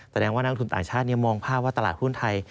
แสดงว่านักลงทุนต่างชาติมองภาพว่าตลาดหุ้นไทย